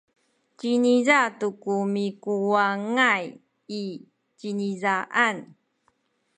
ciniza tu ku mikuwangay i cinizaan.